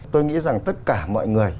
tôi nghĩ rằng tất cả mọi người